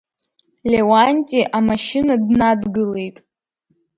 Леуанти амашьына днадгылеит.